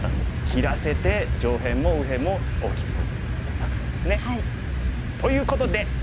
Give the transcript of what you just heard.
切らせて上辺も右辺も大きくするという作戦ですね。ということで。